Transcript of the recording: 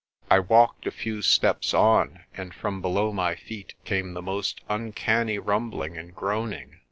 I walked a few steps on, and from below my feet came the most uncanny rumbling and groaning.